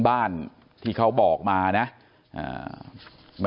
ทางที่เจอศพน้องกิ๊กล่ะหรอ